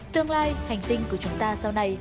tương lai hành tinh của chúng ta sau này